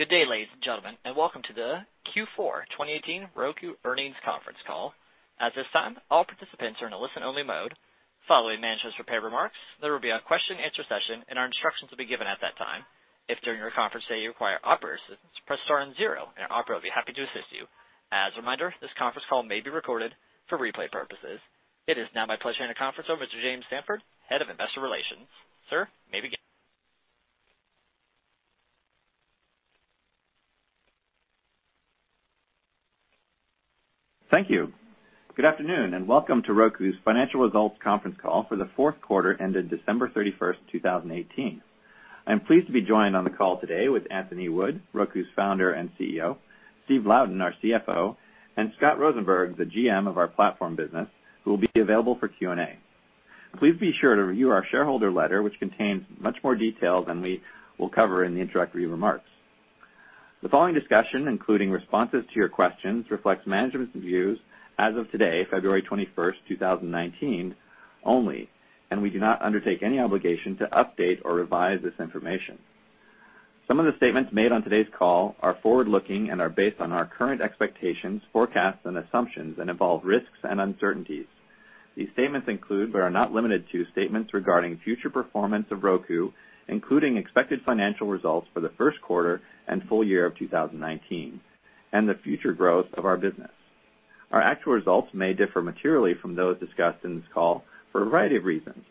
Good day, ladies and gentlemen, and welcome to the Q4 2018 Roku Earnings Conference Call. At this time, all participants are in a listen only mode. Following management's prepared remarks, there will be a question and answer session, and our instructions will be given at that time. If during our conference today you require operator assistance, press star and zero, and an operator will be happy to assist you. As a reminder, this conference call may be recorded for replay purposes. It is now my pleasure to hand the conference over to Mr. James Stanford, Head of Investor Relations. Sir, you may begin. Thank you. Good afternoon, and welcome to Roku's Financial Results Conference Call for the fourth quarter ending December 31st, 2018. I'm pleased to be joined on the call today with Anthony Wood, Roku's Founder and CEO, Steve Louden, our CFO, and Scott Rosenberg, the GM of our platform business, who will be available for Q&A. Please be sure to review our shareholder letter, which contains much more details than we will cover in the introductory remarks. The following discussion, including responses to your questions, reflects management's views as of today, February 21st, 2019 only, and we do not undertake any obligation to update or revise this information. Some of the statements made on today's call are forward-looking and are based on our current expectations, forecasts, and assumptions and involve risks and uncertainties. These statements include, but are not limited to, statements regarding future performance of Roku, including expected financial results for the first quarter and full year of 2019, and the future growth of our business. Our actual results may differ materially from those discussed in this call for a variety of reasons.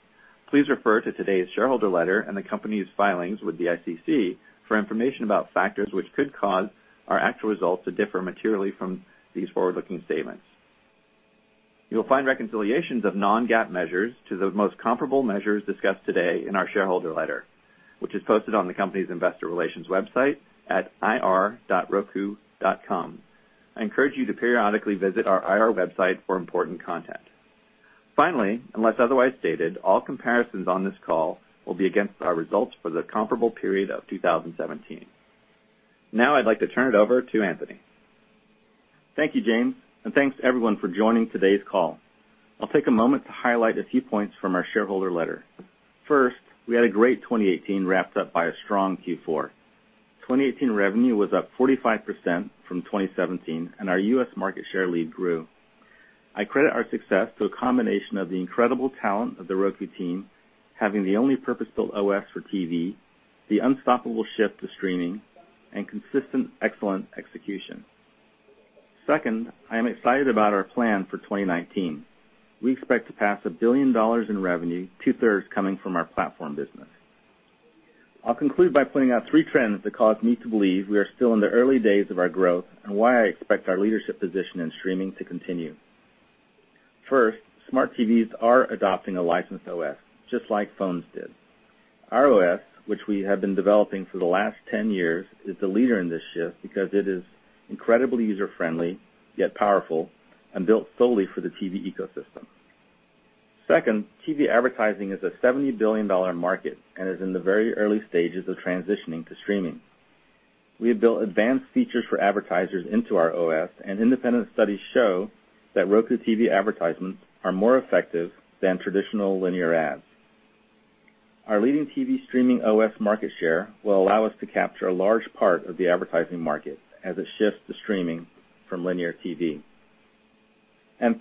Please refer to today's shareholder letter and the company's filings with the SEC for information about factors which could cause our actual results to differ materially from these forward-looking statements. You will find reconciliations of non-GAAP measures to the most comparable measures discussed today in our shareholder letter, which is posted on the company's investor relations website at ir.roku.com. I encourage you to periodically visit our IR website for important content. Finally, unless otherwise stated, all comparisons on this call will be against our results for the comparable period of 2017. Now I'd like to turn it over to Anthony. Thank you, James, and thanks to everyone for joining today's call. I'll take a moment to highlight a few points from our shareholder letter. First, we had a great 2018 wrapped up by a strong Q4. 2018 revenue was up 45% from 2017, and our U.S. market share lead grew. I credit our success to a combination of the incredible talent of the Roku team, having the only purpose-built OS for TV, the unstoppable shift to streaming, and consistent excellent execution. Second, I am excited about our plan for 2019. We expect to pass $1 billion in revenue, two-thirds coming from our platform business. I'll conclude by pointing out three trends that cause me to believe we are still in the early days of our growth and why I expect our leadership position in streaming to continue. First, smart TVs are adopting a licensed OS, just like phones did. Our OS, which we have been developing for the last 10 years, is the leader in this shift because it is incredibly user-friendly, yet powerful, and built solely for the TV ecosystem. Second, TV advertising is a $70 billion market and is in the very early stages of transitioning to streaming. We have built advanced features for advertisers into our OS, and independent studies show that Roku TV advertisements are more effective than traditional linear ads.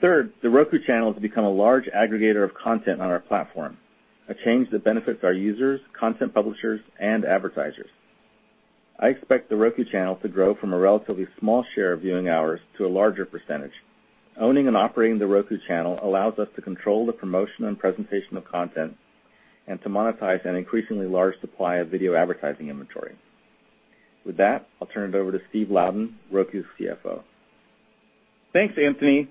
Third, The Roku Channel has become a large aggregator of content on our platform, a change that benefits our users, content publishers, and advertisers. I expect The Roku Channel to grow from a relatively small share of viewing hours to a larger percentage. Owning and operating The Roku Channel allows us to control the promotion and presentation of content and to monetize an increasingly large supply of video advertising inventory. With that, I'll turn it over to Steve Louden, Roku's CFO. Thanks, Anthony.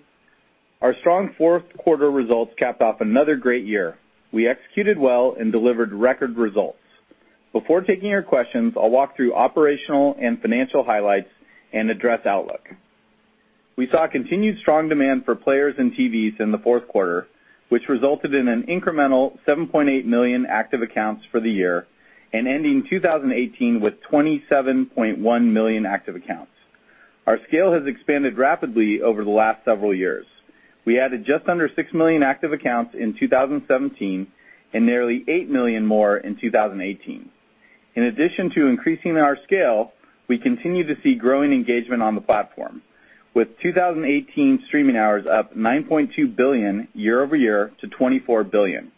Our strong fourth quarter results capped off another great year. We executed well and delivered record results. Before taking your questions, I'll walk through operational and financial highlights and address outlook. We saw continued strong demand for players and TVs in the fourth quarter, which resulted in an incremental 7.8 million active accounts for the year and ending 2018 with 27.1 million active accounts. Our scale has expanded rapidly over the last several years. We added just under six million active accounts in 2017 and nearly eight million more in 2018. In addition to increasing our scale, we continue to see growing engagement on the platform, with 2018 streaming hours up 9.2 billion year-over-year to 24 billion.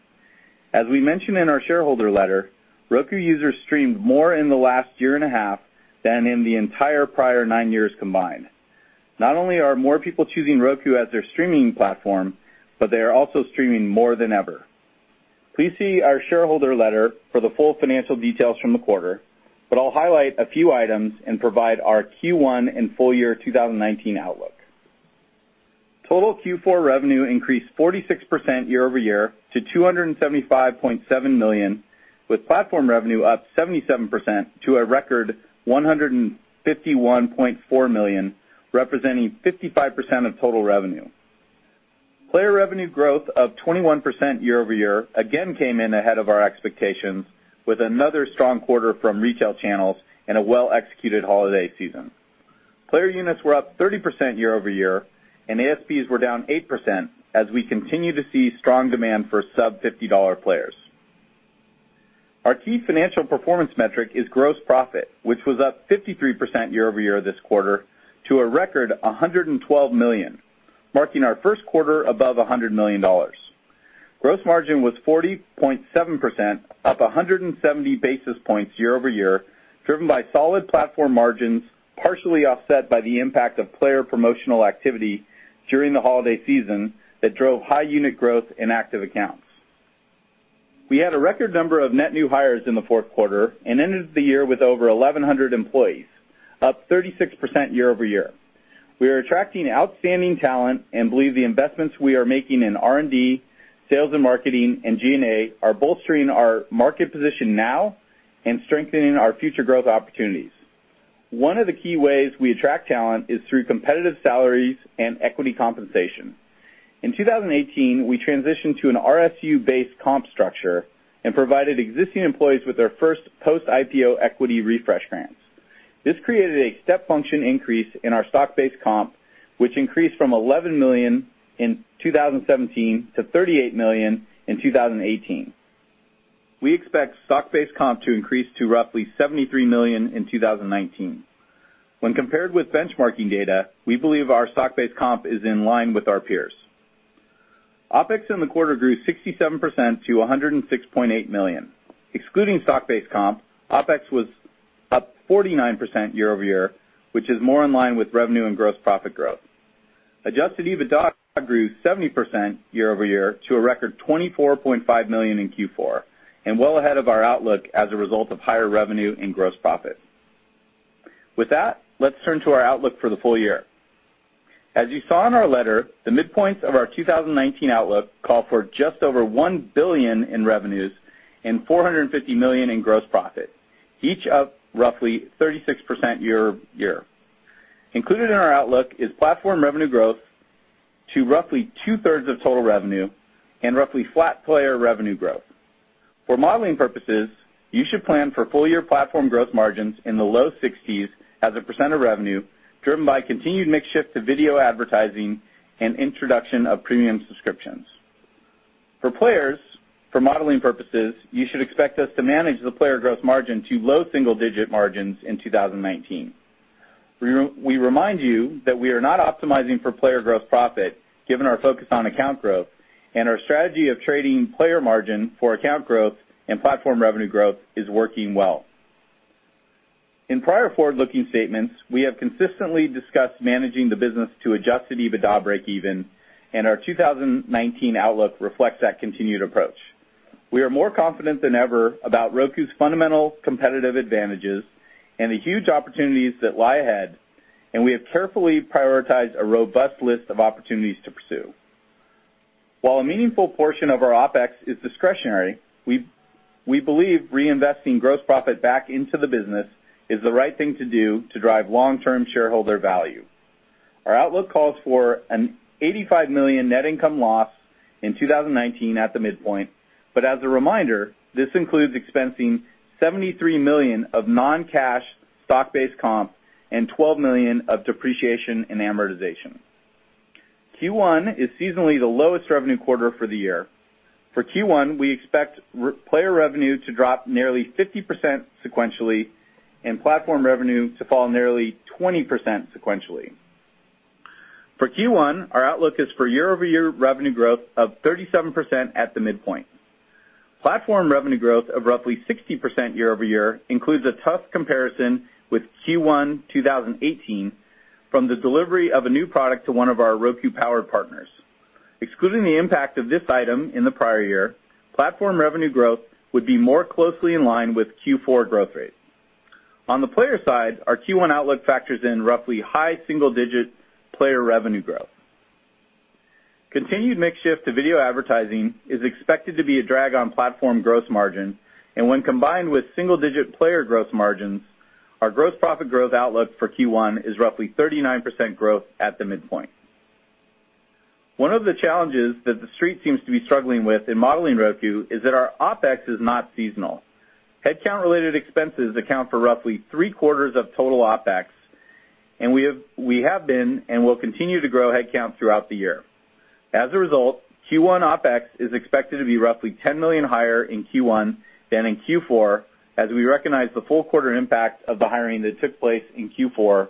As we mentioned in our shareholder letter, Roku users streamed more in the last year and a half than in the entire prior nine years combined. Not only are more people choosing Roku as their streaming platform, but they are also streaming more than ever. Please see our shareholder letter for the full financial details from the quarter, but I'll highlight a few items and provide our Q1 and full year 2019 outlook. Total Q4 revenue increased 46% year-over-year to $275.7 million, with platform revenue up 77% to a record $151.4 million, representing 55% of total revenue. Player revenue growth of 21% year-over-year again came in ahead of our expectations with another strong quarter from retail channels and a well-executed holiday season. Player units were up 30% year-over-year, and ASPs were down 8% as we continue to see strong demand for sub-$50 players. Our key financial performance metric is gross profit, which was up 53% year-over-year this quarter to a record $112 million, marking our first quarter above $100 million. Gross margin was 40.7%, up 170 basis points year-over-year, driven by solid platform margins, partially offset by the impact of player promotional activity during the holiday season that drove high unit growth in active accounts. We had a record number of net new hires in the fourth quarter and ended the year with over 1,100 employees, up 36% year-over-year. We are attracting outstanding talent and believe the investments we are making in R&D, sales and marketing, and G&A are bolstering our market position now and strengthening our future growth opportunities. One of the key ways we attract talent is through competitive salaries and equity compensation. In 2018, we transitioned to an RSU-based comp structure and provided existing employees with their first post-IPO equity refresh grants. This created a step function increase in our stock-based comp, which increased from $11 million in 2017 to $38 million in 2018. We expect stock-based comp to increase to roughly $73 million in 2019. When compared with benchmarking data, we believe our stock-based comp is in line with our peers. OpEx in the quarter grew 67% to $106.8 million. Excluding stock-based comp, OpEx was up 49% year-over-year, which is more in line with revenue and gross profit growth. Adjusted EBITDA grew 70% year-over-year to a record $24.5 million in Q4 and well ahead of our outlook as a result of higher revenue and gross profit. With that, let's turn to our outlook for the full year. As you saw in our letter, the midpoints of our 2019 outlook call for just over $1 billion in revenues and $450 million in gross profit, each up roughly 36% year-over-year. Included in our outlook is platform revenue growth to roughly two-thirds of total revenue and roughly flat player revenue growth. For modeling purposes, you should plan for full-year platform growth margins in the low 60s as a percent of revenue driven by continued mix shift to video advertising and introduction of premium subscriptions. For players, for modeling purposes, you should expect us to manage the player gross margin to low single-digit margins in 2019. We remind you that we are not optimizing for player gross profit given our focus on account growth and our strategy of trading player margin for account growth and platform revenue growth is working well. In prior forward-looking statements, we have consistently discussed managing the business to adjusted EBITDA breakeven, and our 2019 outlook reflects that continued approach. We are more confident than ever about Roku's fundamental competitive advantages and the huge opportunities that lie ahead, and we have carefully prioritized a robust list of opportunities to pursue. While a meaningful portion of our OpEx is discretionary, we believe reinvesting gross profit back into the business is the right thing to do to drive long-term shareholder value. Our outlook calls for an $85 million net income loss in 2019 at the midpoint. As a reminder, this includes expensing $73 million of non-cash stock-based comp and $12 million of depreciation and amortization. Q1 is seasonally the lowest revenue quarter for the year. For Q1, we expect player revenue to drop nearly 50% sequentially and platform revenue to fall nearly 20% sequentially. For Q1, our outlook is for year-over-year revenue growth of 37% at the midpoint. Platform revenue growth of roughly 60% year-over-year includes a tough comparison with Q1 2018 from the delivery of a new product to one of our Roku Powered partners. Excluding the impact of this item in the prior year, platform revenue growth would be more closely in line with Q4 growth rates. On the player side, our Q1 outlook factors in roughly high single-digit player revenue growth. Continued mix shift to video advertising is expected to be a drag on platform gross margin. When combined with single-digit player gross margins, our gross profit growth outlook for Q1 is roughly 39% growth at the midpoint. One of the challenges that The Street seems to be struggling with in modeling Roku is that our OpEx is not seasonal. Headcount-related expenses account for roughly three-quarters of total OpEx. We have been and will continue to grow headcount throughout the year. As a result, Q1 OpEx is expected to be roughly $10 million higher in Q1 than in Q4, as we recognize the full quarter impact of the hiring that took place in Q4,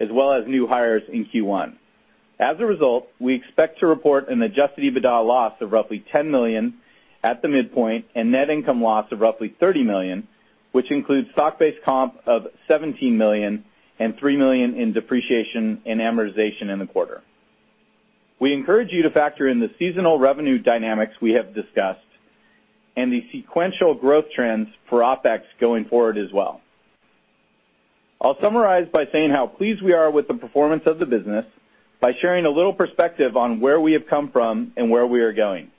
as well as new hires in Q1. As a result, we expect to report an adjusted EBITDA loss of roughly $10 million at the midpoint and net income loss of roughly $30 million, which includes stock-based comp of $17 million and $3 million in depreciation and amortization in the quarter. We encourage you to factor in the seasonal revenue dynamics we have discussed and the sequential growth trends for OpEx going forward as well. I'll summarize by saying how pleased we are with the performance of the business by sharing a little perspective on where we have come from and where we are going.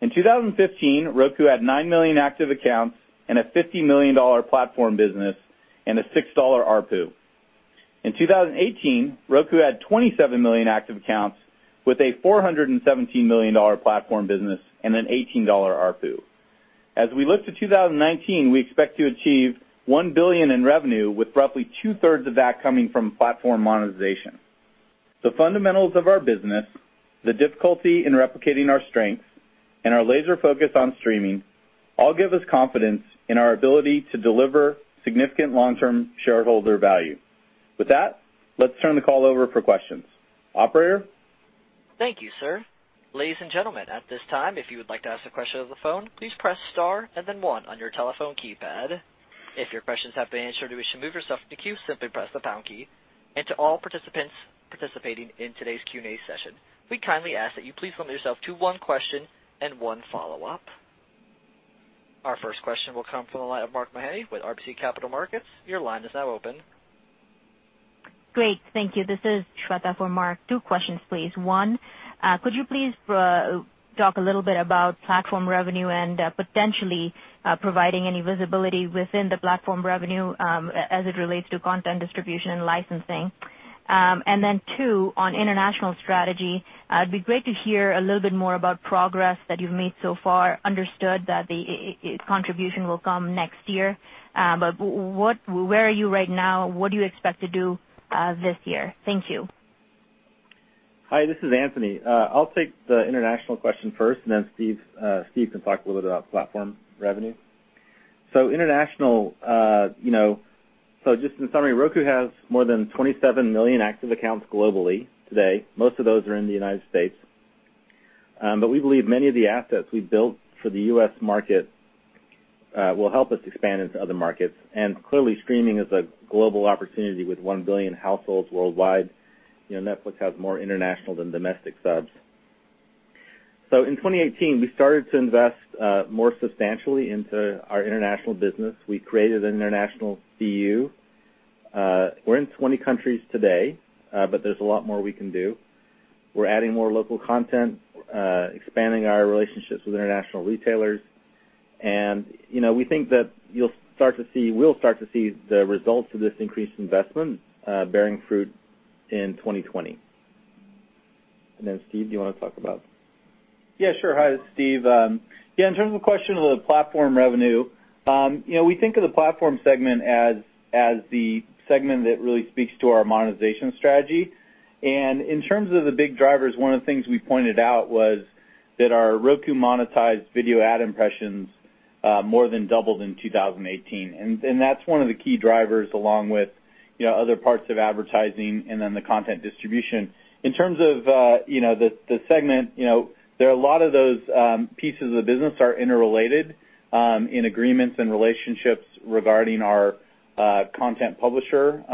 In 2015, Roku had nine million active accounts and a $50 million platform business and a $6 ARPU. In 2018, Roku had 27 million active accounts with a $417 million platform business and an $18 ARPU. As we look to 2019, we expect to achieve $1 billion in revenue, with roughly two-thirds of that coming from platform monetization. The fundamentals of our business, the difficulty in replicating our strengths, and our laser focus on streaming all give us confidence in our ability to deliver significant long-term shareholder value. With that, let's turn the call over for questions. Operator? Thank you, sir. Ladies and gentlemen, at this time, if you would like to ask a question over the phone, please press star and then one on your telephone keypad. If your questions have been answered and you wish to move yourself from the queue, simply press the pound key. To all participants participating in today's Q&A session, we kindly ask that you please limit yourself to one question and one follow-up. Our first question will come from the line of Mark Mahaney with RBC Capital Markets. Your line is now open. Great. Thank you. This is Shweta for Mark. Two questions, please. One, could you please talk a little bit about platform revenue and potentially providing any visibility within the platform revenue as it relates to content distribution and licensing? Two, on international strategy, it would be great to hear a little bit more about progress that you've made so far. Understood that the contribution will come next year, but where are you right now? What do you expect to do this year? Thank you. Hi, this is Anthony. I will take the international question first, then Steve can talk a little bit about platform revenue. International, just in summary, Roku has more than 27 million active accounts globally today. Most of those are in the United States. We believe many of the assets we built for the U.S. market will help us expand into other markets. Clearly, streaming is a global opportunity with one billion households worldwide. Netflix has more international than domestic subs. In 2018, we started to invest more substantially into our international business. We created an international CU. We are in 20 countries today, there is a lot more we can do. We are adding more local content, expanding our relationships with international retailers, we think that we will start to see the results of this increased investment bearing fruit in 2020. Then Steve, do you want to talk about Yeah, sure. Hi, this is Steve. Yeah, in terms of the question of the platform revenue, we think of the platform segment as the segment that really speaks to our monetization strategy. In terms of the big drivers, one of the things we pointed out was that our Roku monetized video ad impressions more than doubled in 2018. That's one of the key drivers along with other parts of advertising and then the content distribution. In terms of the segment, there are a lot of those pieces of the business are interrelated in agreements and relationships regarding our content publisher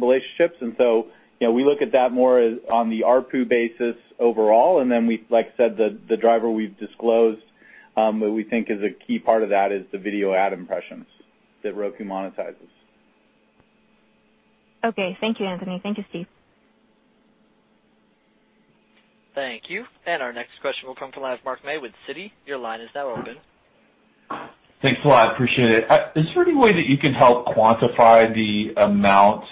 relationships. So we look at that more on the ARPU basis overall, and then, like I said, the driver we've disclosed that we think is a key part of that is the video ad impressions that Roku monetizes. Okay. Thank you, Anthony. Thank you, Steve. Thank you. Our next question will come from the line of Mark May with Citi. Your line is now open. Thanks a lot. I appreciate it. Is there any way that you can help quantify the amount?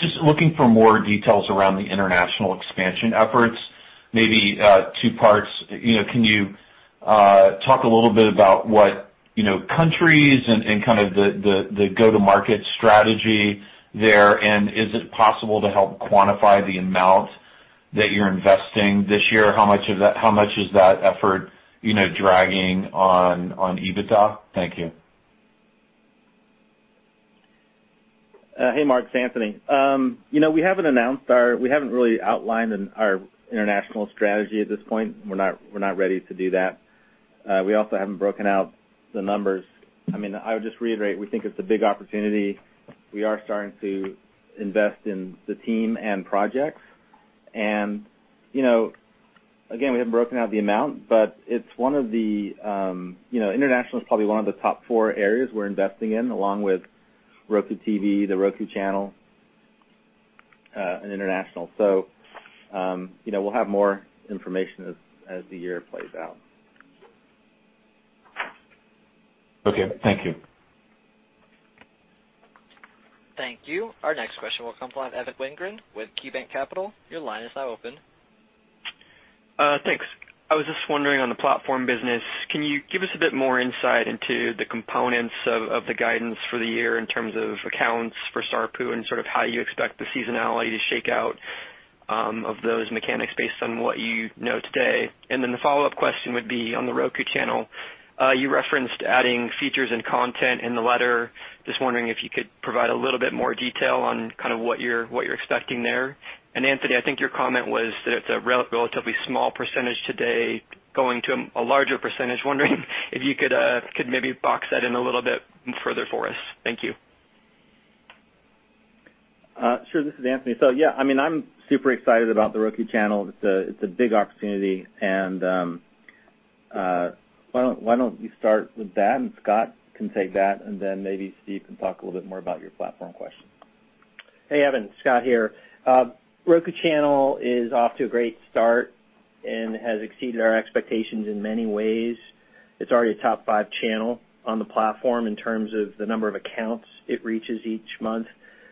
Just looking for more details around the international expansion efforts. Maybe two parts. Can you talk a little bit about what countries and the go-to-market strategy there, and is it possible to help quantify the amount that you're investing this year? How much is that effort dragging on EBITDA? Thank you. Hey, Mark. It's Anthony. We haven't really outlined our international strategy at this point. We're not ready to do that. We also haven't broken out the numbers. I would just reiterate, we think it's a big opportunity. We are starting to invest in the team and projects. Again, we haven't broken out the amount, but international is probably one of the top four areas we're investing in, along with Roku TV, The Roku Channel, and international. We'll have more information as the year plays out. Okay. Thank you. Thank you. Our next question will come from the line of Evan Wingren with KeyBanc Capital. Your line is now open. Thanks. I was just wondering on the platform business, can you give us a bit more insight into the components of the guidance for the year in terms of accounts for ARPU and sort of how you expect the seasonality to shake out of those mechanics based on what you know today? The follow-up question would be on The Roku Channel. You referenced adding features and content in the letter. Just wondering if you could provide a little bit more detail on what you're expecting there. Anthony, I think your comment was that it's a relatively small % today going to a larger %. Wondering if you could maybe box that in a little bit further for us. Thank you. Sure. This is Anthony. Yeah, I'm super excited about The Roku Channel. It's a big opportunity, why don't you start with that, Scott can take that, maybe Steve can talk a little bit more about your platform question. Hey, Evan. Scott here. The Roku Channel is off to a great start and has exceeded our expectations in many ways. It's already a top five channel on the platform in terms of the number of accounts it reaches each month.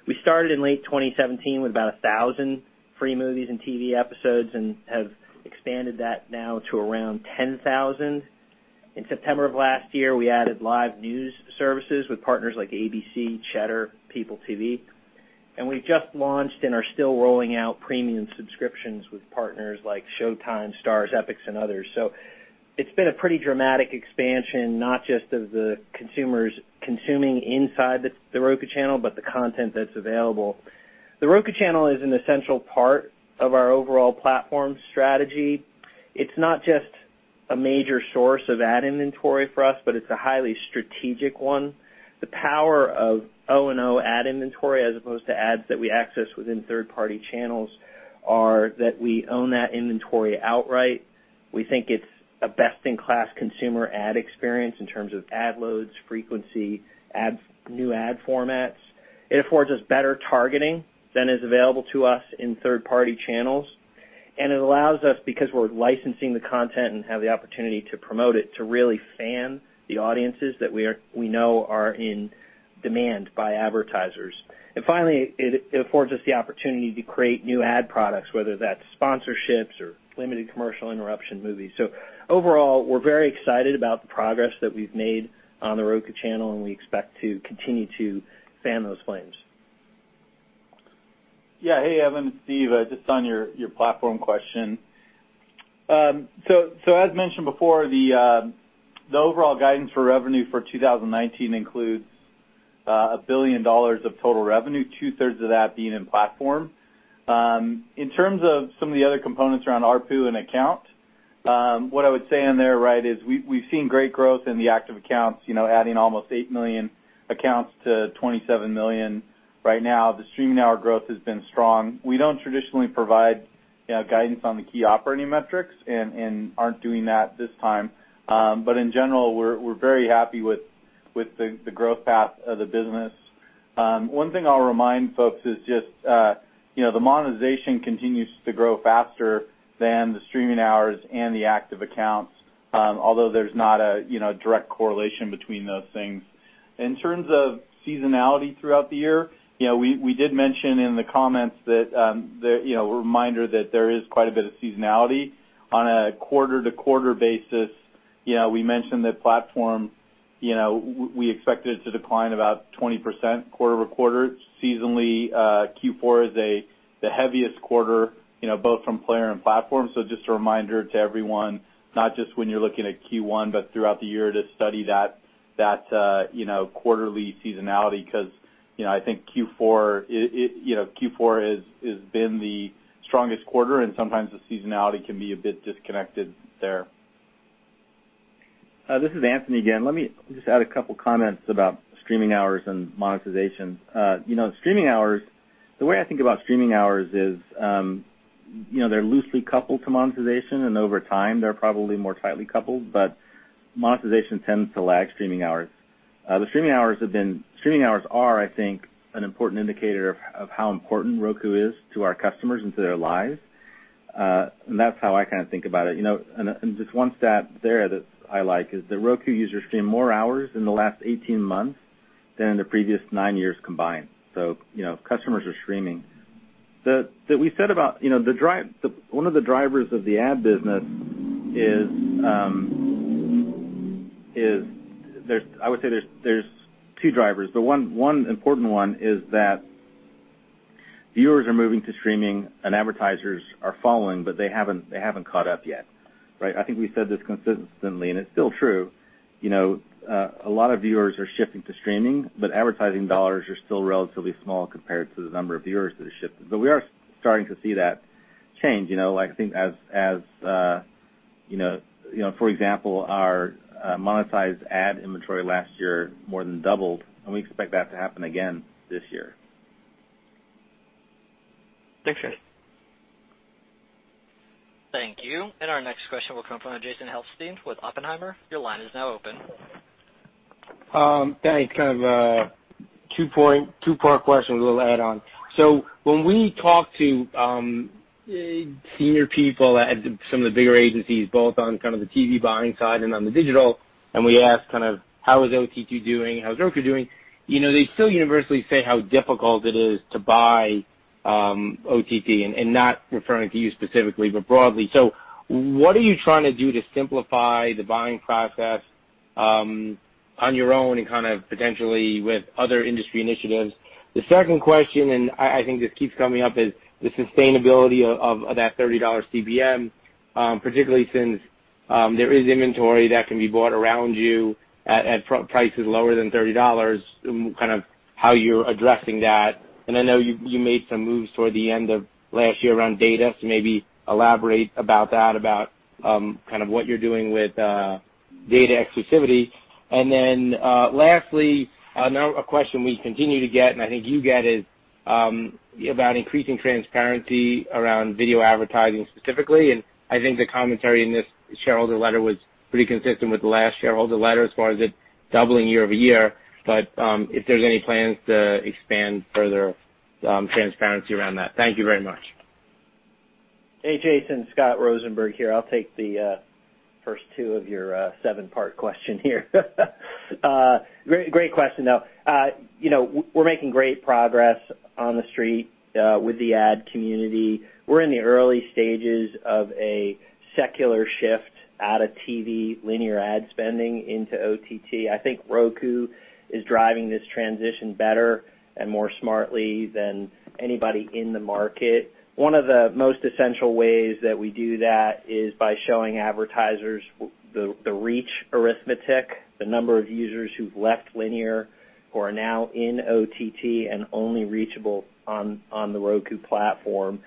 We started in late 2017 with about 1,000 free movies and TV episodes and have expanded that now to around 10,000. In September of last year, we added live news services with partners like ABC, Cheddar, PeopleTV. We've just launched and are still rolling out premium subscriptions with partners like Showtime, Starz, Epix and others. It's been a pretty dramatic expansion, not just of the consumers consuming inside The Roku Channel, but the content that's available. The Roku Channel is an essential part of our overall platform strategy. It's not just a major source of ad inventory for us, but it's a highly strategic one. The power of O&O ad inventory as opposed to ads that we access within third-party channels are that we own that inventory outright. We think it's a best-in-class consumer ad experience in terms of ad loads, frequency, new ad formats. It affords us better targeting than is available to us in third-party channels, it allows us, because we're licensing the content and have the opportunity to promote it, to really fan the audiences that we know are in demand by advertisers. Finally, it affords us the opportunity to create new ad products, whether that's sponsorships or limited commercial interruption movies. Overall, we're very excited about the progress that we've made on The Roku Channel, we expect to continue to fan those flames. Hey, Evan, it's Steve, just on your platform question. As mentioned before, the overall guidance for revenue for 2019 includes $1 billion of total revenue, two-thirds of that being in platform. In terms of some of the other components around ARPU and account, what I would say on there, right, is we've seen great growth in the active accounts, adding almost eight million accounts to 27 million right now. The streaming hour growth has been strong. We don't traditionally provide guidance on the key operating metrics and aren't doing that this time. In general, we're very happy with the growth path of the business. One thing I'll remind folks is the monetization continues to grow faster than the streaming hours and the active accounts, although there's not a direct correlation between those things. In terms of seasonality throughout the year, we did mention in the comments that, a reminder that there is quite a bit of seasonality on a quarter-over-quarter basis. We mentioned that platform, we expect it to decline about 20% quarter-over-quarter. Seasonally, Q4 is the heaviest quarter both from player and platform. Just a reminder to everyone, not just when you're looking at Q1, but throughout the year to study that quarterly seasonality, because I think Q4 has been the strongest quarter, and sometimes the seasonality can be a bit disconnected there. This is Anthony again. Let me add a couple of comments about streaming hours and monetization. The way I think about streaming hours is, they're loosely coupled to monetization, and over time, they're probably more tightly coupled, but monetization tends to lag streaming hours. The streaming hours are, I think, an important indicator of how important Roku is to our customers and to their lives. That's how I think about it. One stat there that I like is that Roku users streamed more hours in the last 18 months than in the previous nine years combined. Customers are streaming. One of the drivers of the ad business is, I would say there's two drivers. The one important one is that viewers are moving to streaming and advertisers are following, but they haven't caught up yet. I think we said this consistently, and it's still true. A lot of viewers are shifting to streaming, advertising dollars are still relatively small compared to the number of viewers that have shifted. We are starting to see that change. For example, our monetized ad inventory last year more than doubled, and we expect that to happen again this year. Thanks, Anthony Wood. Thank you. Our next question will come from Jason Helfstein with Oppenheimer. Your line is now open. Thanks. Kind of a two-part question with a little add on. When we talk to senior people at some of the bigger agencies, both on the TV buying side and on the digital, and we ask: How is OTT doing? How is Roku doing? They still universally say how difficult it is to buy OTT, not referring to you specifically, but broadly. What are you trying to do to simplify the buying process on your own and potentially with other industry initiatives? The second question, and I think this keeps coming up, is the sustainability of that $30 CPM, particularly since there is inventory that can be bought around you at prices lower than $30, kind of how you're addressing that. I know you made some moves toward the end of last year around data, maybe elaborate about that, about what you're doing with data exclusivity. Lastly, a question we continue to get, and I think you get, is about increasing transparency around video advertising specifically. I think the commentary in this shareholder letter was pretty consistent with the last shareholder letter as far as it doubling year-over-year. If there's any plans to expand further transparency around that? Thank you very much. Jason, Scott Rosenberg here. I'll take the first two of your seven-part question here. Great question, though. We're making great progress on the street with the ad community. We're in the early stages of a secular shift out of TV linear ad spending into OTT. I think Roku is driving this transition better and more smartly than anybody in the market. One of the most essential ways that we do that is by showing advertisers the reach arithmetic, the number of users who've left linear, who are now in OTT, and only reachable on the Roku platform.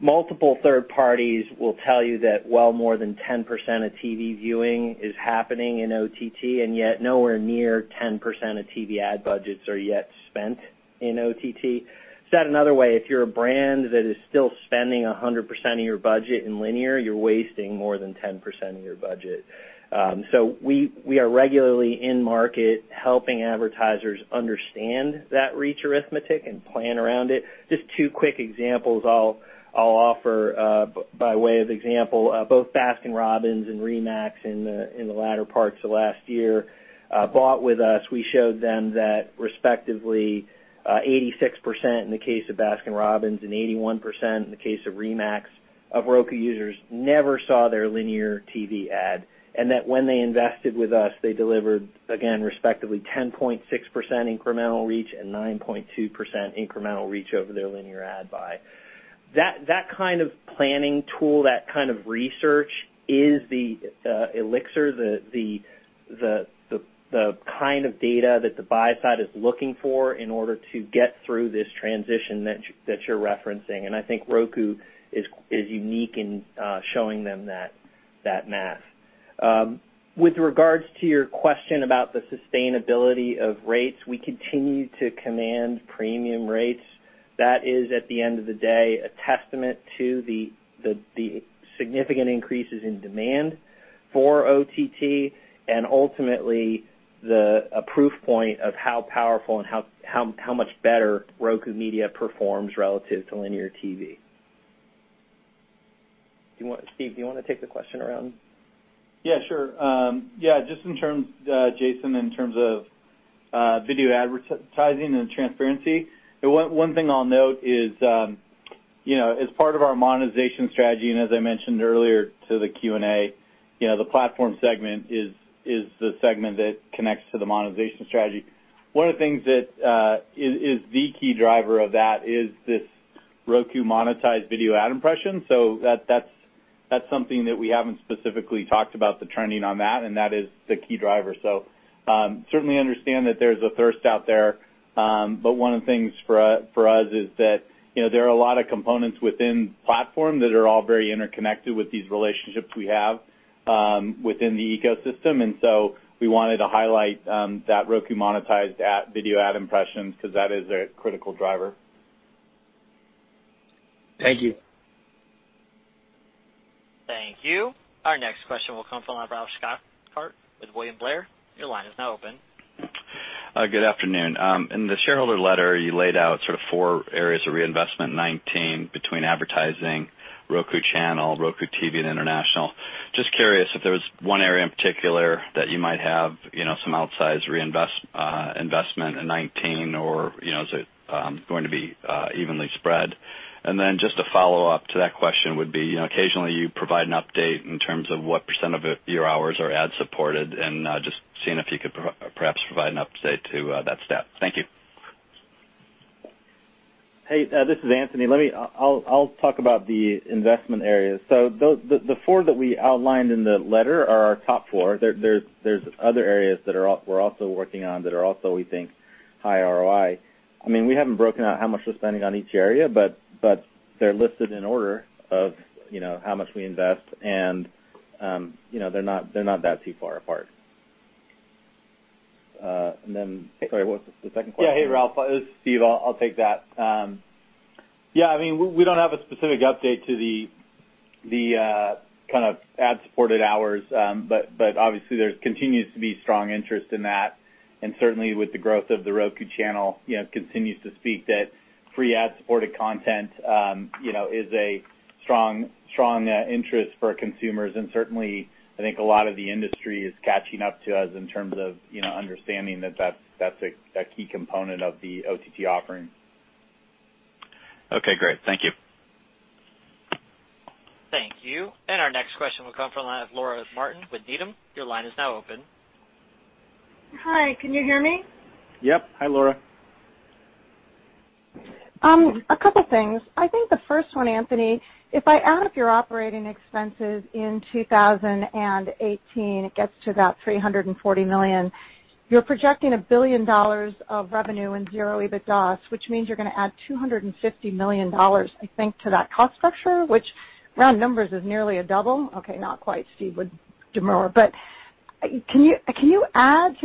Multiple third parties will tell you that well more than 10% of TV viewing is happening in OTT, yet nowhere near 10% of TV ad budgets are yet spent in OTT. Said another way, if you're a brand that is still spending 100% of your budget in linear, you're wasting more than 10% of your budget. We are regularly in market, helping advertisers understand that reach arithmetic and plan around it. Just two quick examples I'll offer, by way of example, both Baskin-Robbins and RE/MAX in the latter parts of last year, bought with us. We showed them that respectively, 86% in the case of Baskin-Robbins and 81% in the case of RE/MAX of Roku users never saw their linear TV ad, and that when they invested with us, they delivered, again, respectively 10.6% incremental reach and 9.2% incremental reach over their linear ad buy. That kind of planning tool, that kind of research is the elixir, the kind of data that the buy side is looking for in order to get through this transition that you're referencing, and I think Roku is unique in showing them that math. With regards to your question about the sustainability of rates, we continue to command premium rates. That is, at the end of the day, a testament to the significant increases in demand for OTT and ultimately a proof point of how powerful and how much better Roku media performs relative to linear TV. Steve, do you want to take the question around? Yeah, sure. Jason, in terms of video advertising and transparency, one thing I'll note is, as part of our monetization strategy, as I mentioned earlier to the Q&A, the platform segment is the segment that connects to the monetization strategy. One of the things that is the key driver of that is this Roku monetized video ad impression. That's something that we haven't specifically talked about the trending on that, and that is the key driver. Certainly understand that there's a thirst out there. But one of the things for us is that, there are a lot of components within platform that are all very interconnected with these relationships we have within the ecosystem. We wanted to highlight that Roku monetized video ad impressions because that is a critical driver. Thank you. Thank you. Our next question will come from the line of Ralph Schackart with William Blair. Your line is now open. Good afternoon. In the shareholder letter, you laid out sort of four areas of reinvestment in 2019 between advertising, The Roku Channel, Roku TV, and international. Just curious if there was one area in particular that you might have some outsized investment in 2019, or is it going to be evenly spread? Just a follow-up to that question would be, occasionally you provide an update in terms of what % of your hours are ad-supported, and just seeing if you could perhaps provide an update to that stat. Thank you. Hey, this is Anthony. I'll talk about the investment areas. The four that we outlined in the letter are our top four. There's other areas that we're also working on that are also, we think, high ROI. We haven't broken out how much we're spending on each area, but they're listed in order of how much we invest and they're not that too far apart. Sorry, what was the second question? Yeah. Hey, Ralph. This is Steve. I'll take that. We don't have a specific update to the ad-supported hours. Obviously there continues to be strong interest in that, and certainly with the growth of The Roku Channel, continues to speak that free ad-supported content is a strong interest for consumers. Certainly, I think a lot of the industry is catching up to us in terms of understanding that that's a key component of the OTT offering. Okay, great. Thank you. Thank you. Our next question will come from the line of Laura Martin with Needham. Your line is now open. Hi, can you hear me? Yep. Hi, Laura. A couple things. I think the first one, Anthony, if I add up your operating expenses in 2018, it gets to about $340 million. You're projecting $1 billion of revenue and zero EBITDA, which means you're going to add $250 million, I think, to that cost structure, which around numbers is nearly a double. Okay, not quite. Steve would demur. Can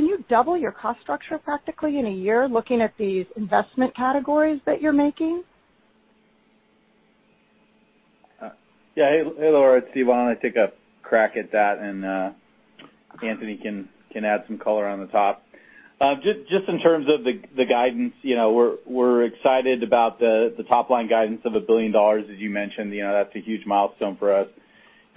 you double your cost structure practically in a year looking at these investment categories that you're making? Yeah. Hey, Laura. It's Steve. Why don't I take a crack at that and Anthony can add some color on the top. Just in terms of the guidance, we're excited about the top-line guidance of $1 billion, as you mentioned. That's a huge milestone for us.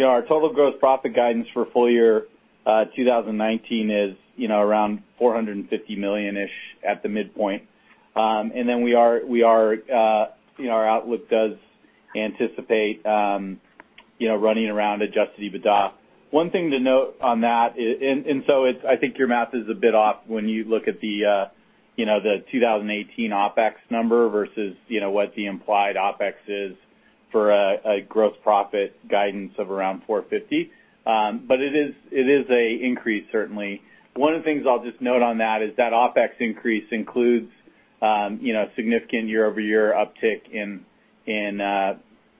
Our total gross profit guidance for full year 2019 is around $450 million-ish at the midpoint. Our outlook does anticipate running around adjusted EBITDA. One thing to note on that, I think your math is a bit off when you look at the 2018 OpEx number versus what the implied OpEx is for a gross profit guidance of around $450 million. It is a increase, certainly. One of the things I'll just note on that is that OpEx increase includes a significant year-over-year uptick in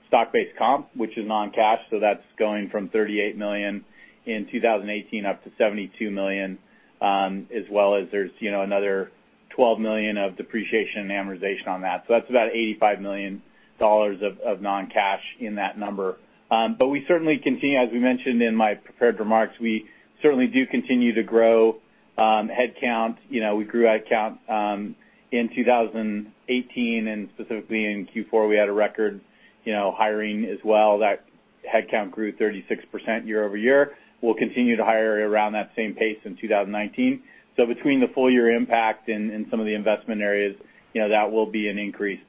stock-based comp, which is non-cash. That's going from $38 million in 2018 up to $72 million, as well as there's another $12 million of depreciation and amortization on that. That's about $85 million of non-cash in that number. We certainly continue, as we mentioned in my prepared remarks, we certainly do continue to grow headcount. We grew headcount in 2018, and specifically in Q4, we had a record hiring as well. That headcount grew 36% year-over-year. We'll continue to hire around that same pace in 2019. Between the full-year impact and some of the investment areas, that will be an increase.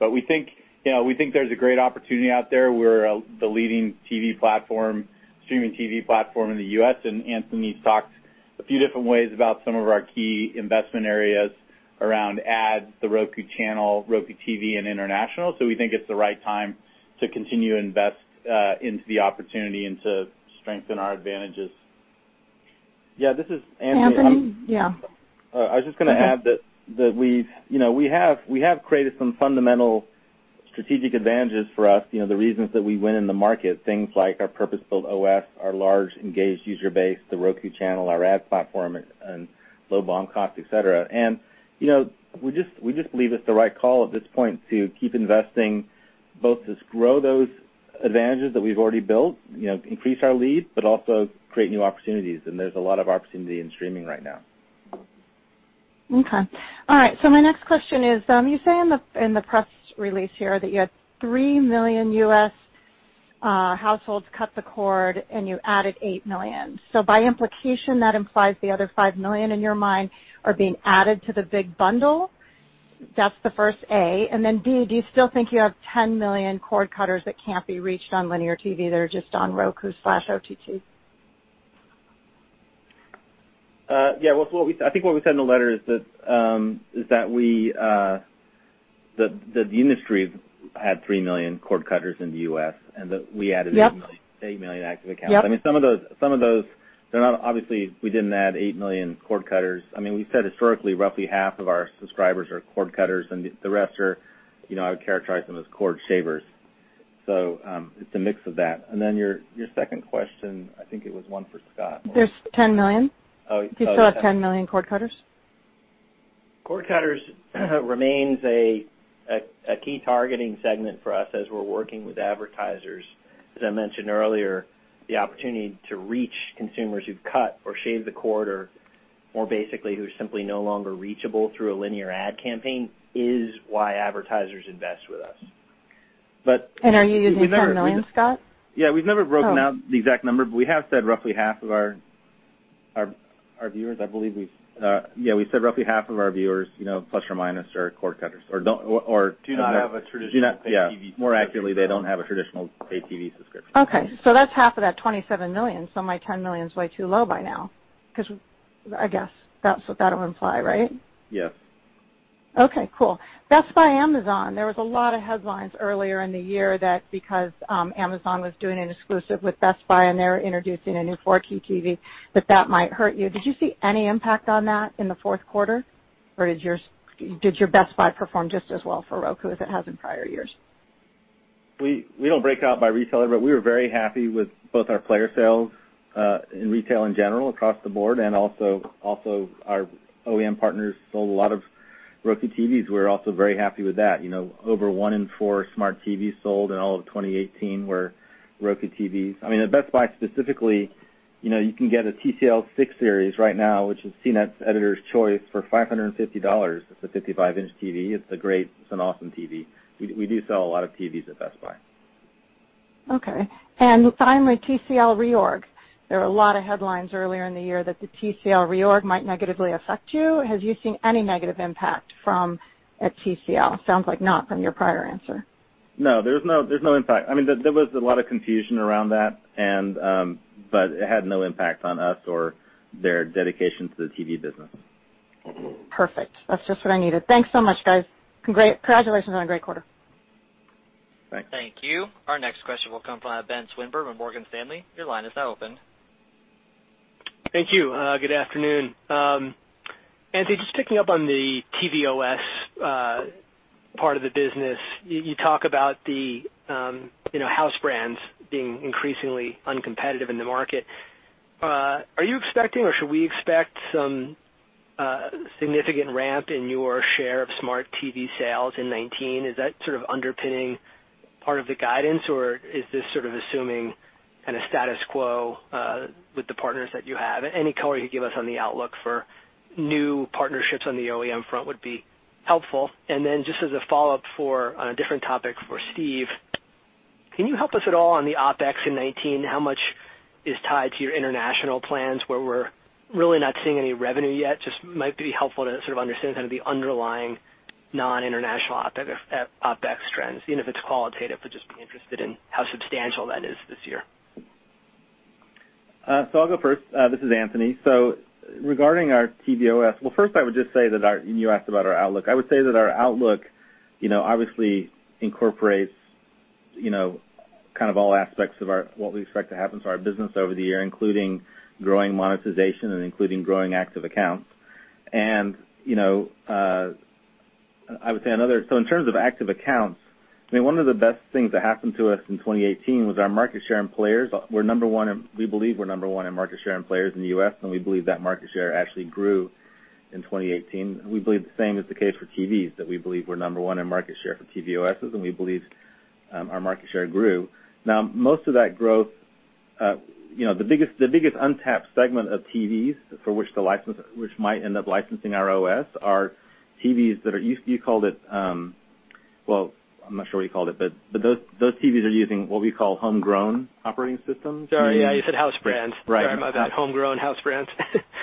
We think there's a great opportunity out there. We're the leading streaming TV platform in the U.S., and Anthony talked a few different ways about some of our key investment areas around ads, The Roku Channel, Roku TV, and international. We think it's the right time to continue to invest into the opportunity and to strengthen our advantages. Yeah, this is Anthony. Anthony? Yeah. I was just going to add that we have created some fundamental strategic advantages for us. The reasons that we win in the market, things like our purpose-built OS, our large engaged user base, The Roku Channel, our ad platform, and low BOM cost, et cetera. We just believe it's the right call at this point to keep investing, both to grow those advantages that we've already built, increase our lead, but also create new opportunities. There's a lot of opportunity in streaming right now. Okay. All right. My next question is, you say in the press release here that you had three million U.S. households cut the cord, and you added 8 million. By implication, that implies the other five million, in your mind, are being added to the big bundle. That's the first A. And then B, do you still think you have 10 million cord cutters that can't be reached on linear TV that are just on Roku/OTT? Yeah. I think what we said in the letter is that the industry had three million cord cutters in the U.S., and that we added- Yep Eight million active accounts. Yep. Some of those, obviously, we didn't add eight million cord cutters. We said historically, roughly half of our subscribers are cord cutters, and the rest are, I would characterize them as cord shavers. It's a mix of that. Your second question, I think it was one for Scott. There's 10 million? Oh. Do you still have 10 million cord cutters? Cord cutters remains a key targeting segment for us as we're working with advertisers. As I mentioned earlier, the opportunity to reach consumers who've cut or shaved the cord or basically who are simply no longer reachable through a linear ad campaign is why advertisers invest with us. Are you using 10 million, Scott? Yeah. We've never broken out the exact number. We have said roughly half of our viewers, plus or minus, are cord cutters or don't- Do not have a traditional paid TV subscription. Yeah. More accurately, they don't have a traditional paid TV subscription. Okay. That's half of that $27 million. My $10 million's way too low by now, I guess. That's what that'll imply, right? Yes. Okay, cool. Best Buy Amazon, there was a lot of headlines earlier in the year that because Amazon was doing an exclusive with Best Buy and they're introducing a new 4K TV, that that might hurt you. Did you see any impact on that in the fourth quarter? Or did your Best Buy perform just as well for Roku as it has in prior years? We don't break it out by retailer, but we were very happy with both our player sales in retail in general across the board, and also our OEM partners sold a lot of Roku TVs. We're also very happy with that. Over one in four smart TVs sold in all of 2018 were Roku TVs. Best Buy specifically, you can get a TCL 6-series right now, which is CNET's Editors' Choice for $550. It's a 55-inch TV. It's great. It's an awesome TV. We do sell a lot of TVs at Best Buy. Okay. Finally, TCL reorg. There were a lot of headlines earlier in the year that the TCL reorg might negatively affect you. Have you seen any negative impact from TCL? Sounds like not from your prior answer. No, there's no impact. There was a lot of confusion around that, it had no impact on us or their dedication to the TV business. Perfect. That's just what I needed. Thanks so much, guys. Congratulations on a great quarter. Thanks. Thank you. Our next question will come from Ben Swinburne with Morgan Stanley. Your line is now open. Thank you. Good afternoon. Anthony, just picking up on the tvOS part of the business. You talk about the house brands being increasingly uncompetitive in the market. Are you expecting or should we expect a significant ramp in your share of smart TV sales in 2019? Is that sort of underpinning part of the guidance, or is this sort of assuming kind of status quo with the partners that you have? Any color you could give us on the outlook for new partnerships on the OEM front would be helpful. Just as a follow-up on a different topic for Steve, can you help us at all on the OpEx in 2019? How much is tied to your international plans where we're really not seeing any revenue yet? Just might be helpful to sort of understand kind of the underlying non-international OpEx trends, even if it's qualitative, would just be interested in how substantial that is this year. I'll go first. This is Anthony. Regarding our TV OS. You asked about our outlook. I would say that our outlook obviously incorporates kind of all aspects of what we expect to happen to our business over the year, including growing monetization and including growing active accounts. I would say in terms of active accounts, I mean, one of the best things that happened to us in 2018 was our market share in players. We believe we're number one in market share in players in the U.S., and we believe that market share actually grew in 2018. We believe the same is the case for TVs, that we believe we're number one in market share for TV OSs, and we believe our market share grew. Most of that growth, the biggest untapped segment of TVs for which might end up licensing our OS are TVs that are, I'm not sure what you called it, but those TVs are using what we call homegrown operating systems. Sorry. Yeah, you said house brands. Right. Sorry about that. Homegrown, house brands.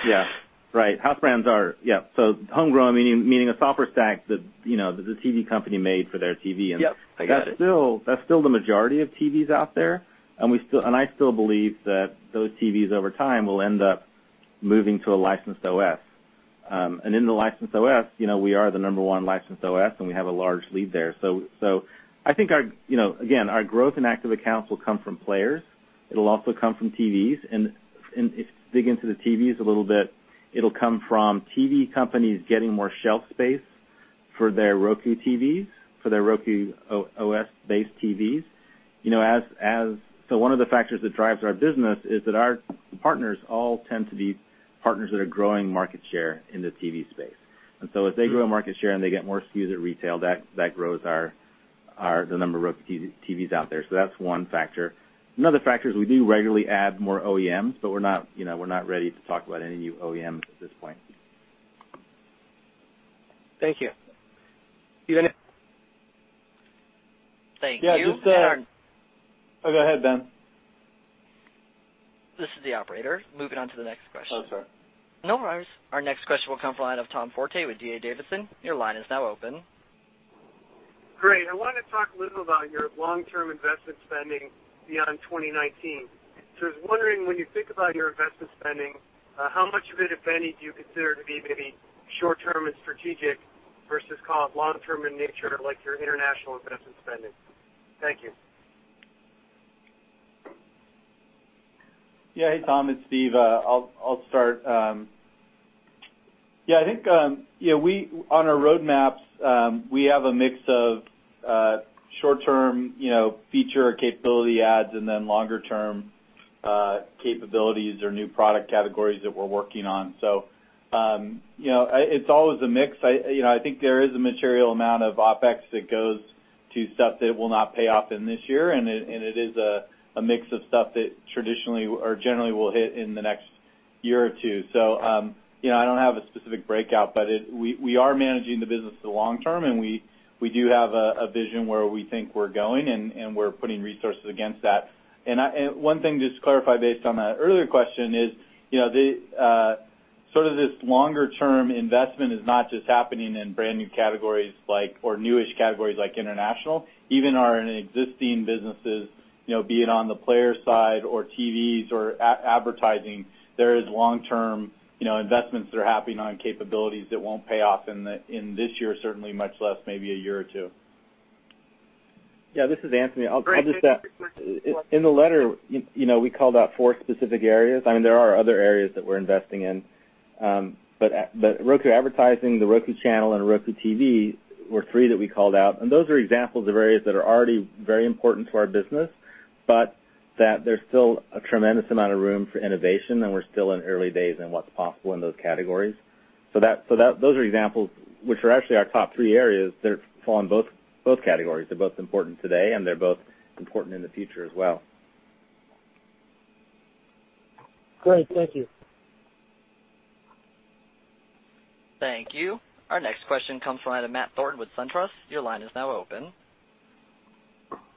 Yeah. Right. House brands. Yeah. Homegrown, meaning a software stack that the TV company made for their TV. Yep. I got it. That's still the majority of TVs out there, and I still believe that those TVs over time will end up moving to a licensed OS. In the licensed OS, we are the number one licensed OS, and we have a large lead there. I think, again, our growth in active accounts will come from players. It'll also come from TVs, and if you dig into the TVs a little bit, it'll come from TV companies getting more shelf space for their Roku TVs, for their Roku OS-based TVs. One of the factors that drives our business is that our partners all tend to be partners that are growing market share in the TV space. As they grow market share and they get more SKUs at retail, that grows the number of Roku TVs out there. That's one factor. Another factor is we do regularly add more OEMs, but we're not ready to talk about any new OEMs at this point. Thank you. Thank you. Yeah. And our- Oh, go ahead, Ben. This is the operator. Moving on to the next question. Oh, sorry. No worries. Our next question will come from the line of Tom Forte with D.A. Davidson. Your line is now open. Great. I wanted to talk a little about your long-term investment spending beyond 2019. I was wondering, when you think about your investment spending, how much of it, if any, do you consider to be maybe short-term and strategic versus long-term in nature, like your international investment spending? Thank you. Hey, Tom, it's Steve. I'll start. I think on our roadmaps, we have a mix of short-term feature capability adds and then longer-term capabilities or new product categories that we're working on. It's always a mix. I think there is a material amount of OpEx that goes to stuff that will not pay off in this year, and it is a mix of stuff that traditionally or generally will hit in the next year or two. I don't have a specific breakout, but we are managing the business for the long term, and we do have a vision where we think we're going, and we're putting resources against that. One thing just to clarify, based on that earlier question is, sort of this longer-term investment is not just happening in brand new categories or newish categories like international. Even in our existing businesses, be it on the player side or TVs or advertising, there is long-term investments that are happening on capabilities that won't pay off in this year, certainly much less maybe a year or two. This is Anthony. I'll just add. Great. Thanks. In the letter, we called out four specific areas. I mean, there are other areas that we're investing in. Roku advertising, The Roku Channel, and Roku TV were three that we called out, and those are examples of areas that are already very important to our business, but that there's still a tremendous amount of room for innovation, and we're still in early days in what's possible in those categories. Those are examples, which are actually our top three areas. They fall in both categories. They're both important today, and they're both important in the future as well. Great. Thank you. Thank you. Our next question comes from the line of Matt Thornton with SunTrust. Your line is now open.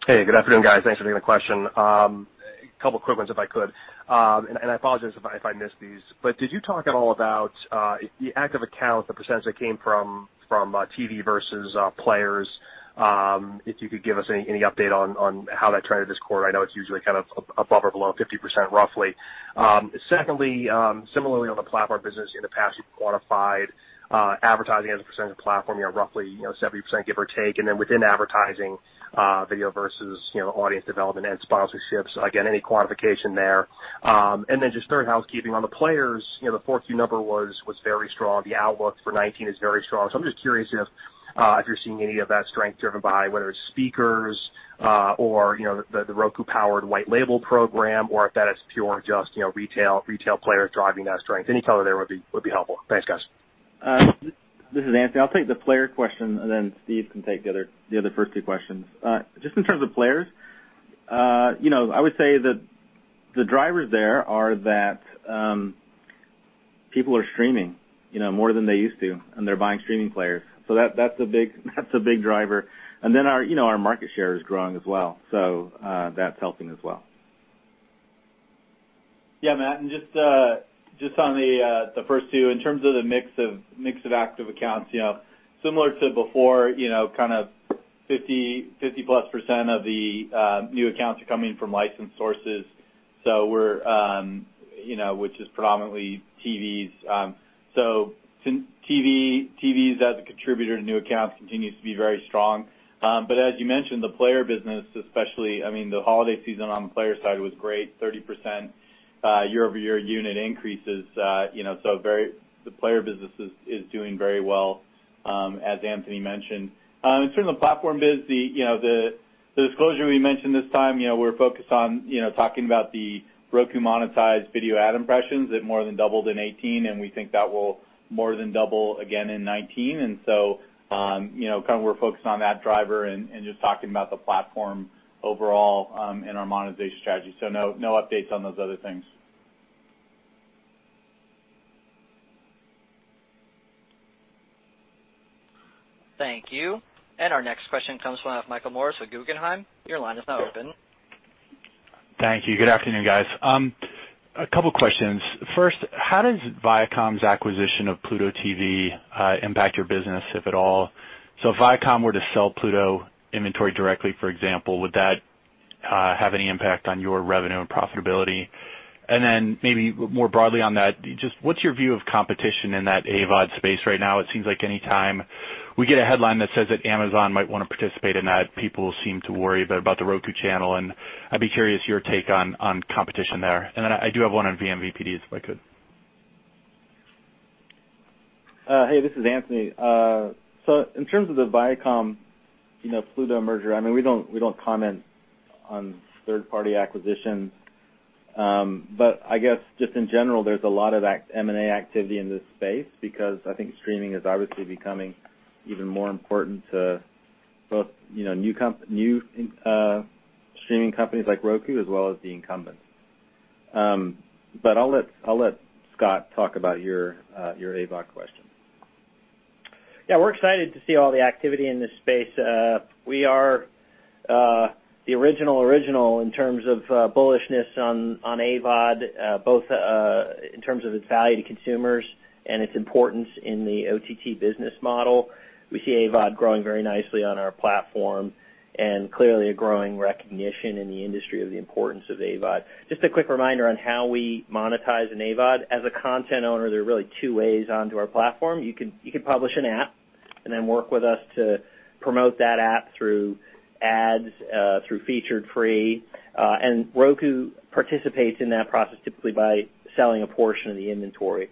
Hey, good afternoon, guys. Thanks for taking the question. A couple of quick ones if I could. I apologize if I miss these, but did you talk at all about the active accounts, the percentage that came from TV versus players? If you could give us any update on how that trended this quarter. I know it's usually kind of above or below 50% roughly. Secondly, similarly on the platform business, in the past you've quantified advertising as a percentage of platform, roughly 70%, give or take, and then within advertising, video versus audience development and sponsorships. Again, any quantification there? Then just third, housekeeping on the players. The fourth Q number was very strong. The outlook for 2019 is very strong. I'm just curious if you're seeing any of that strength driven by whether it's speakers or the Roku Powered white label program, or if that is pure just retail players driving that strength. Any color there would be helpful. Thanks, guys. This is Anthony. I'll take the player question. Steve can take the other first two questions. Just in terms of players, I would say that the drivers there are that people are streaming more than they used to, and they're buying streaming players. That's a big driver. Our market share is growing as well. That's helping as well. Yeah, Matt, just on the first two, in terms of the mix of active accounts, similar to before, 50-plus % of the new accounts are coming from licensed sources, which is predominantly TVs. TVs as a contributor to new accounts continues to be very strong. As you mentioned, the player business especially, the holiday season on the player side was great, 30% year-over-year unit increases. The player business is doing very well, as Anthony mentioned. In terms of the platform biz, the disclosure we mentioned this time, we're focused on talking about the Roku monetized video ad impressions that more than doubled in 2018, and we think that will more than double again in 2019. We're focused on that driver and just talking about the platform overall, and our monetization strategy. No updates on those other things. Thank you. Our next question comes from Michael Morris with Guggenheim. Your line is now open. Thank you. Good afternoon, guys. A couple questions. First, how does Viacom's acquisition of Pluto TV impact your business, if at all? If Viacom were to sell Pluto inventory directly, for example, would that have any impact on your revenue and profitability? Maybe more broadly on that, just what's your view of competition in that AVOD space right now? It seems like any time we get a headline that says that Amazon might want to participate in that, people seem to worry about The Roku Channel, and I'd be curious your take on competition there. I do have one on vMVPDs, if I could. Hey, this is Anthony. In terms of the Viacom Pluto merger, we don't comment on third-party acquisitions. I guess just in general, there's a lot of M&A activity in this space because I think streaming is obviously becoming even more important to both new streaming companies like Roku as well as the incumbents. I'll let Scott talk about your AVOD question. Yeah. We're excited to see all the activity in this space. We are the original in terms of bullishness on AVOD, both in terms of its value to consumers and its importance in the OTT business model. We see AVOD growing very nicely on our platform and clearly a growing recognition in the industry of the importance of AVOD. Just a quick reminder on how we monetize an AVOD. As a content owner, there are really two ways onto our platform. You could publish an app and then work with us to promote that app through ads, through Featured Free. Roku participates in that process typically by selling a portion of the inventory.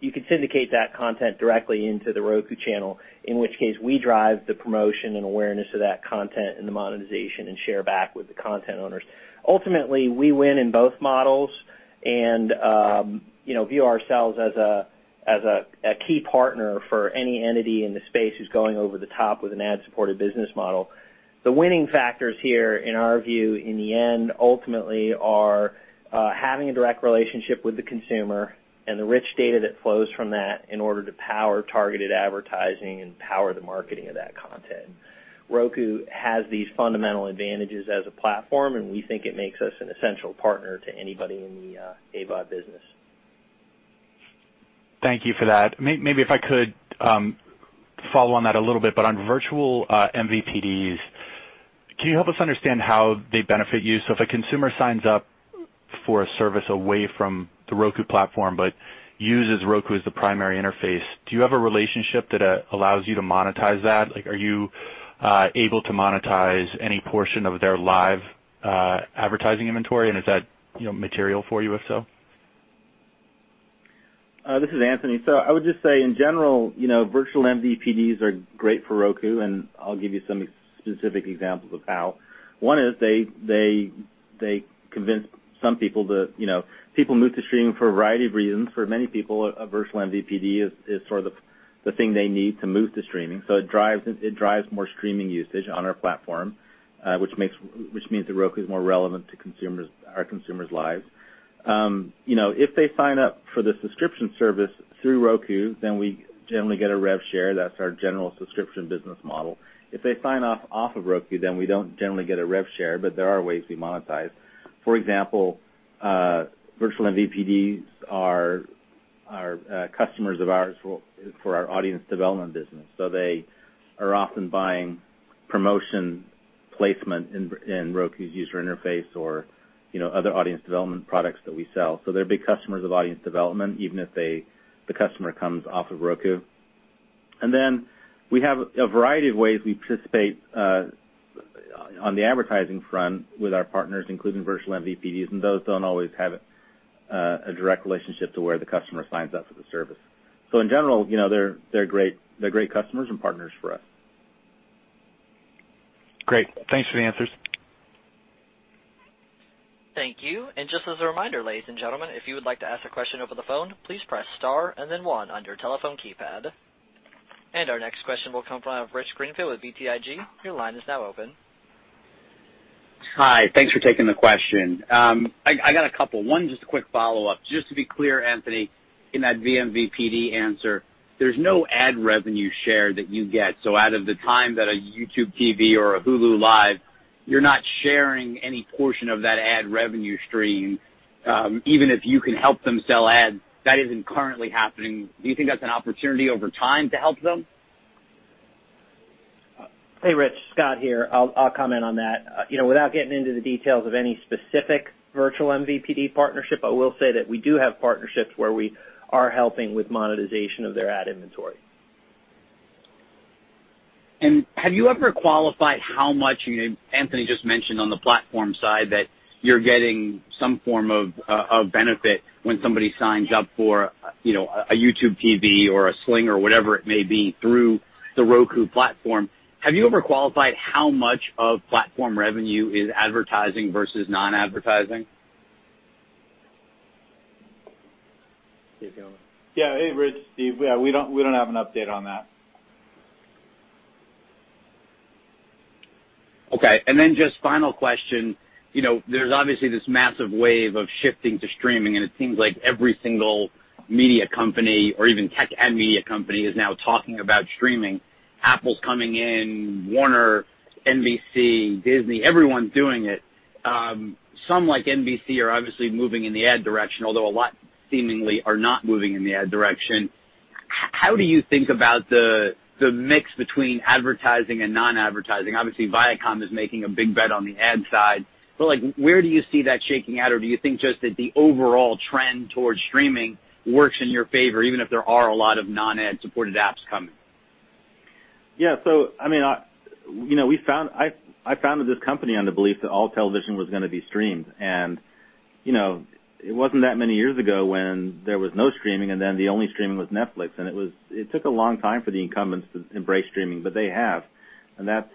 You could syndicate that content directly into The Roku Channel, in which case we drive the promotion and awareness of that content and the monetization and share back with the content owners. Ultimately, we win in both models and view ourselves as a key partner for any entity in the space who's going over the top with an ad-supported business model. The winning factors here, in our view, in the end, ultimately, are having a direct relationship with the consumer and the rich data that flows from that in order to power targeted advertising and power the marketing of that content. Roku has these fundamental advantages as a platform, we think it makes us an essential partner to anybody in the AVOD business. Thank you for that. Maybe if I could follow on that a little bit, on virtual MVPDs, can you help us understand how they benefit you? If a consumer signs up for a service away from the Roku platform but uses Roku as the primary interface, do you have a relationship that allows you to monetize that? Are you able to monetize any portion of their live advertising inventory and is that material for you, if so? This is Anthony. I would just say in general virtual MVPDs are great for Roku, and I'll give you some specific examples of how. One is they convince some people move to streaming for a variety of reasons. For many people, a virtual MVPD is sort of the thing they need to move to streaming. It drives more streaming usage on our platform, which means that Roku is more relevant to our consumers' lives. If they sign up for the subscription service through Roku, we generally get a rev share. That's our general subscription business model. If they sign off of Roku, we don't generally get a rev share, but there are ways we monetize. For example, virtual MVPDs are customers of ours for our audience development business. They are often buying promotion placement in Roku's user interface or other audience development products that we sell. They're big customers of audience development, even if the customer comes off of Roku. We have a variety of ways we participate on the advertising front with our partners, including virtual MVPDs, and those don't always have a direct relationship to where the customer signs up for the service. In general, they're great customers and partners for us. Great. Thanks for the answers. Thank you. Just as a reminder, ladies and gentlemen, if you would like to ask a question over the phone, please press star and then one on your telephone keypad. Our next question will come from Rich Greenfield with BTIG. Your line is now open. Hi. Thanks for taking the question. I got a couple. One, just a quick follow-up. Just to be clear, Anthony, in that vMVPD answer, there's no ad revenue share that you get. Out of the time that a YouTube TV or a Hulu Live, you're not sharing any portion of that ad revenue stream, even if you can help them sell ads, that isn't currently happening. Do you think that's an opportunity over time to help them? Hey, Rich, Scott here. I'll comment on that. Without getting into the details of any specific virtual MVPD partnership, I will say that we do have partnerships where we are helping with monetization of their ad inventory. Have you ever qualified how much, Anthony just mentioned on the platform side, that you're getting some form of benefit when somebody signs up for a YouTube TV or a Sling or whatever it may be through the Roku platform. Have you ever qualified how much of platform revenue is advertising versus non-advertising? Keep going. Yeah. Hey, Rich, Steve. Yeah, we don't have an update on that. Okay. Just final question. There's obviously this massive wave of shifting to streaming, and it seems like every single media company or even tech and media company is now talking about streaming. Apple's coming in, Warner, NBC, Disney, everyone's doing it. Some, like NBC, are obviously moving in the ad direction, although a lot seemingly are not moving in the ad direction. How do you think about the mix between advertising and non-advertising? Obviously, Viacom is making a big bet on the ad side, but where do you see that shaking out, or do you think just that the overall trend towards streaming works in your favor, even if there are a lot of non-ad supported apps coming? Yeah. I founded this company on the belief that all television was going to be streamed. It wasn't that many years ago when there was no streaming, then the only streaming was Netflix. It took a long time for the incumbents to embrace streaming, but they have. That's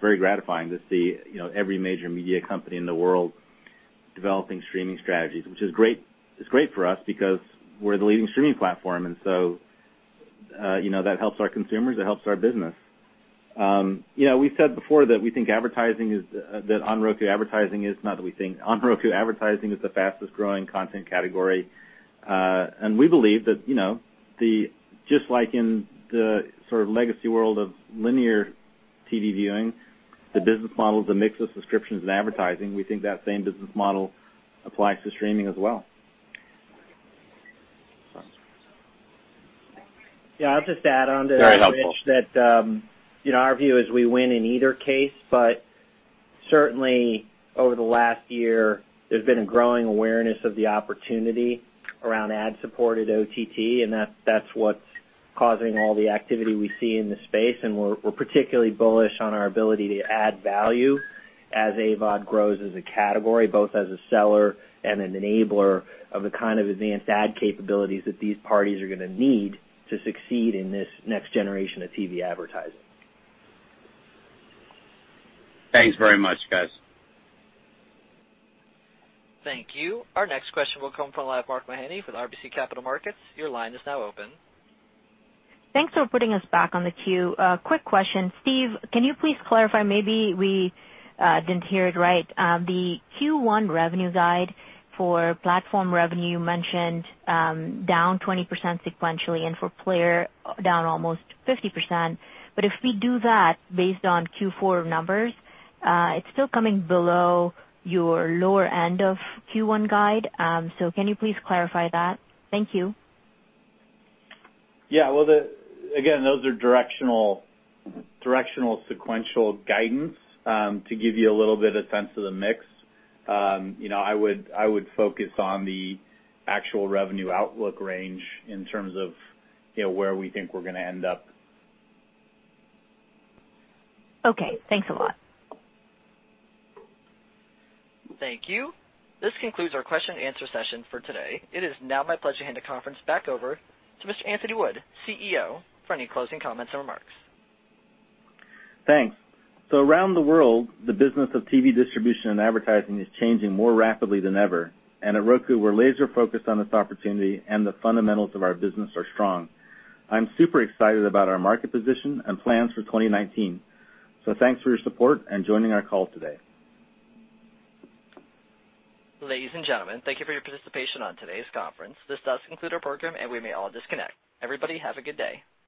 very gratifying to see every major media company in the world developing streaming strategies, which is great for us because we're the leading streaming platform, so that helps our consumers, it helps our business. We've said before that on Roku, advertising is the fastest-growing content category. We believe that, just like in the sort of legacy world of linear TV viewing, the business model is a mix of subscriptions and advertising. We think that same business model applies to streaming as well. Yeah, I'll just add on to that. Very helpful. Rich, that our view is we win in either case. Certainly over the last year, there's been a growing awareness of the opportunity around ad-supported OTT, and that's what's causing all the activity we see in the space. We're particularly bullish on our ability to add value as AVOD grows as a category, both as a seller and an enabler of the kind of advanced ad capabilities that these parties are going to need to succeed in this next generation of TV advertising. Thanks very much, guys. Thank you. Our next question will come from Mark Mahaney with RBC Capital Markets. Your line is now open. Thanks for putting us back on the queue. Quick question. Steve, can you please clarify, maybe we didn't hear it right. The Q1 revenue guide for platform revenue, you mentioned down 20% sequentially and for player down almost 50%. If we do that based on Q4 numbers, it is still coming below your lower end of Q1 guide. Can you please clarify that? Thank you. Yeah. Well, again, those are directional sequential guidance to give you a little bit of sense of the mix. I would focus on the actual revenue outlook range in terms of where we think we are going to end up. Okay. Thanks a lot. Thank you. This concludes our question and answer session for today. It is now my pleasure to hand the conference back over to Mr. Anthony Wood, CEO, for any closing comments or remarks. Thanks. Around the world, the business of TV distribution and advertising is changing more rapidly than ever. At Roku, we're laser focused on this opportunity, and the fundamentals of our business are strong. I'm super excited about our market position and plans for 2019. Thanks for your support and joining our call today. Ladies and gentlemen, thank you for your participation on today's conference. This does conclude our program, and we may all disconnect. Everybody have a good day.